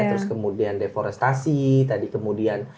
terus kemudian deforestasi tadi kemudian